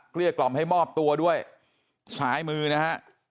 เรียกกล่อมให้มอบตัวด้วยซ้ายมือนะฮะ